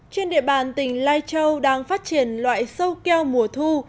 trên địa bàn tỉnh lai châu đang phát triển loại sâu keo mùa thu